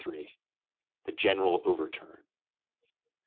III. The General Overturn.